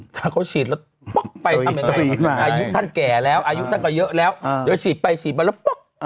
ถ้าเขาฉีดแล้วป๊อกไปทำยังไงอายุท่านแก่แล้วอายุท่านก็เยอะแล้วเดี๋ยวฉีดไปฉีดมาแล้วปุ๊บ